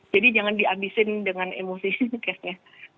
jadi jangan di abisin dengan emosi cashnya